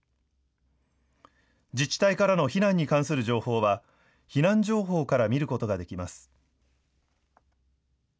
自治体からの避難に関する情報は避難情報から見ることができます。